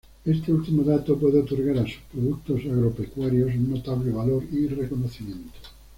Este último dato puede otorgar a sus productos agropecuarios un notable valor y reconocimiento.